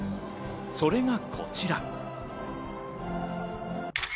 それがこちら。